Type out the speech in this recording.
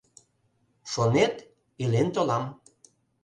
Шонет: илен толам